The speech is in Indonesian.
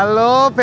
nah gimana ya